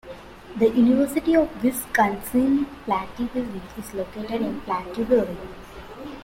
The University of Wisconsin-Platteville is located in Platteville.